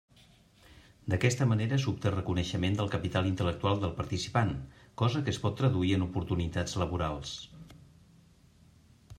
D'aquesta manera s'obté reconeixement del capital intel·lectual del participant, cosa que es pot traduir en oportunitats laborals.